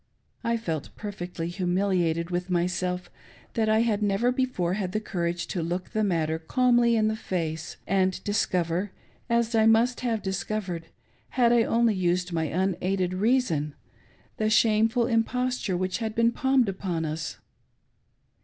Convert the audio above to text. I felt perfectly humiliated with myself that I had never before had the courage to look the matter calmly in the face and discover, as I must have discovered, had I only used my unaided reason, the shameful imposture which had been palmed upon us.